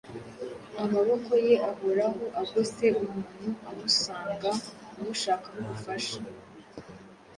Amaboko ye ahoraho agose umuntu umusanga amushakaho ubufasha.